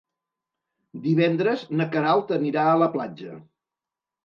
Divendres na Queralt anirà a la platja.